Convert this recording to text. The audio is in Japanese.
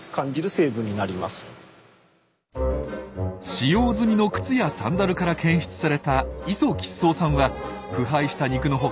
使用済みの靴やサンダルから検出された「イソ吉草酸」は腐敗した肉の他